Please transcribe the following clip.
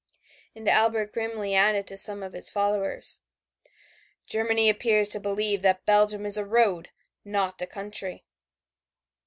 And Albert grimly added to some of his followers, "Germany appears to believe that Belgium is a road, not a country."